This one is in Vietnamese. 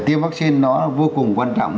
tiêm vaccine nó vô cùng quan trọng